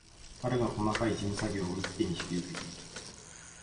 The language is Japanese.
彼が細かい事務作業を一手に引き受けている